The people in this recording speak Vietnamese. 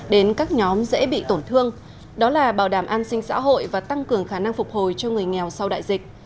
đến các nhóm dễ bị tổn thương đó là bảo đảm an sinh xã hội và tăng cường khả năng phục hồi cho người nghèo sau đại dịch